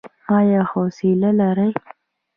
ایا حوصله لرئ؟